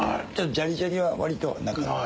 ジャリジャリは割となくなって。